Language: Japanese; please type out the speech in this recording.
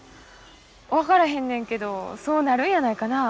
分からへんねんけどそうなるんやないかな。